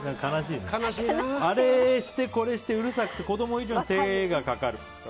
あれして、これしてうるさくて子供以上に手がかかる。